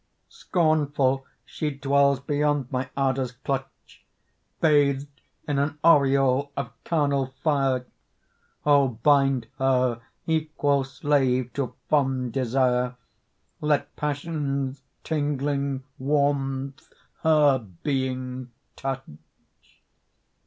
Scornful she dwells beyond my ardor's clutch, Bathed in an aureole of carnal fire; O bind her equal slave to fond desire, Let passion's tingling warmth her being touch!